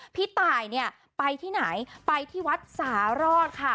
พี่ตายเนี่ยไปที่ไหนไปที่วัดสารอดค่ะ